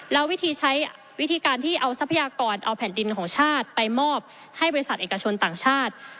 แล้ววิธีใช้วิธีการที่เอาทรัพยากรเอาแผ่นดินของชาติไปมอบให้บริษัทเอกชนต่างชาติ